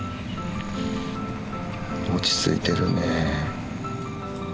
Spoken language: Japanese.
落ち着いてるね。